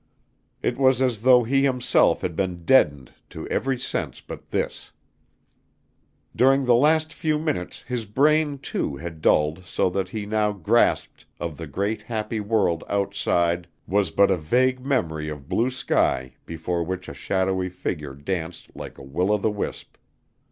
It was as though he himself had been deadened to every sense but this. During the last few minutes his brain, too, had dulled so that all he now grasped of the great happy world outside was a vague memory of blue sky before which a shadowy figure danced like a will o' the wisp.